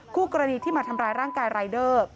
คู่กรณีที่มาทำร้ายร่างกายรายเดอร์